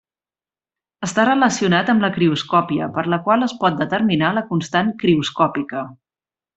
Està relacionat amb la crioscòpia, per la qual es pot determinar la constant crioscòpica.